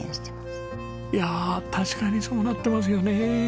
いやあ確かにそうなってますよね。